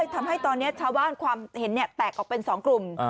ทำให้ตอนนี้ชาวบ้านความเห็นแตกออกเป็น๒กลุ่ม